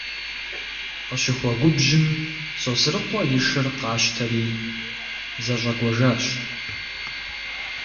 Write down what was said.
Къыщыхуэгубжьым, Сосрыкъуэ и шыр къащтэри зэщӏэкӏуэжащ.